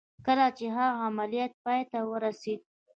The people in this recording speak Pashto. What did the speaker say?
کله چې د هغه عملیات پای ته ورسېد